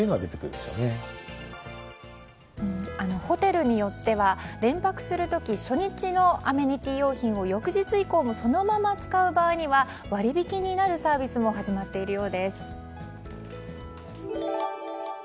ホテルによっては連泊する時初日のアメニティー用品を翌日以降もそのまま使う場合には割引になるサービスも始まっているようです。